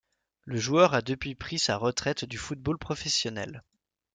Le joueur a depuis pris sa retraite du football professionnel.